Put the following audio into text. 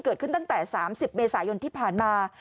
เกิดขึ้นตั้งแต่๓๐เมษายนที่ผ่านมา